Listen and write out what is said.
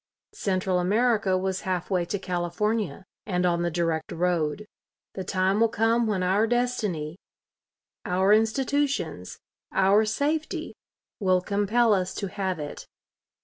Central America was half way to California and on the direct road. The time will come when our destiny, our institutions, our safety will compel us to have it.